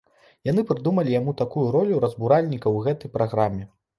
Яны прыдумалі яму такую ролю разбуральніка ў гэтай праграме.